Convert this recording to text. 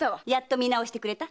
見直してくれた？